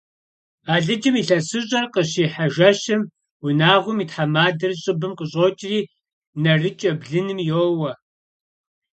Алыджым илъэсыщӀэр къыщихьэ жэщым унагъуэм и тхьэмадэр щӀыбым къыщӀокӀри, нарыкӀэ блыным йоуэ.